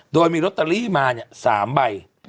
โดยมีรอตเตอรี่มาเนี่ย๓ใบ